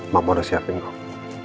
mama udah siapin gua